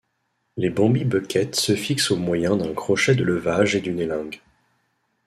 Les Bambi bucket se fixent au moyen d'un crochet de levage et d'une élingue.